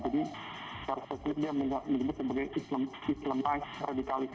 jadi saya rasa itu dia menyebut sebagai islamized radicalist